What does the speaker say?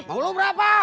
mau lo berapa